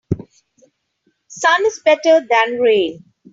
Sun is better than rain.